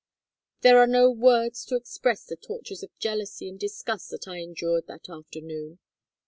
"There are no words to express the tortures of jealousy and disgust that I endured that afternoon.